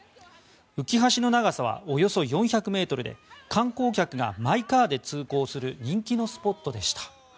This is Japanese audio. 浮き橋の長さはおよそ４００ｍで観光客がマイカーで通行する人気のスポットでした。